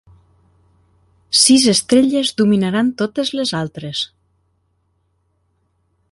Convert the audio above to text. Sis estrelles dominaran totes les altres.